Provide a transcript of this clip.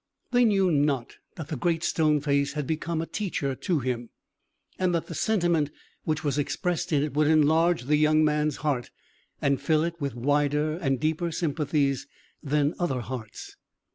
They knew not that the Great Stone Face had become a teacher to him, and that the sentiment which was expressed in it would enlarge the young man's heart, and fill it with wider and deeper sympathies than other hearts.